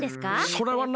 それはない。